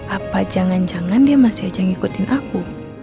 apa jangan jangan dia masih aja ngikutin aku